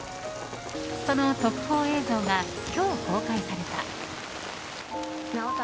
その特報映像が今日公開された。